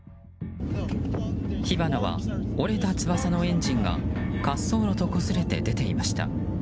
火花は、折れた翼のエンジンが滑走路とこすれて出ていました。